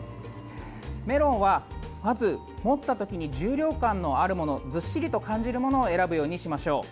メロンは、まず持ったときに重量感のあるものずっしりと感じるものを選ぶようにしましょう。